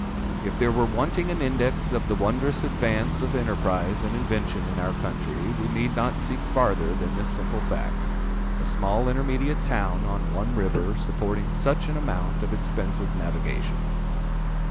If there were wanting an index of the wondrous advance of enterprise and invention in our country, we need not seek farther than this simple fact—a small intermediate town, on one river, supporting such an amount of expensive navigation.